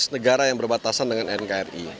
sebelas negara yang berbatasan dengan nkri